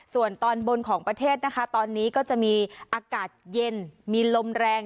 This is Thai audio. ส่วนตอนบนของประเทศนะคะตอนนี้ก็จะมีอากาศเย็นมีลมแรง